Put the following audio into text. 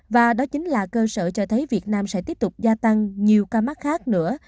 và đó chính là cơ sở cho thấy việt nam sẽ tiếp tục gia tăng nhiều ca mắc khác nữa